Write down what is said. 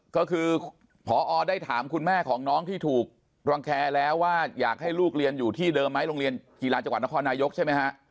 ก็คือพอได้ถามคุณแม่ของน้องที่ถูกรังแคร์แล้วว่าอยากให้ลูกเรียนอยู่ที่เดิมไหมโรงเรียนกีฬาจังหวัดนครนายกใช่ไหมฮะ